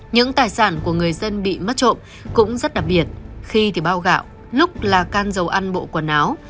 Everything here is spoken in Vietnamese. những tài sản của người dân bị mất trộm cũng rất đặc biệt khi thì bao gạo lúc là can dầu ăn bộ quần áo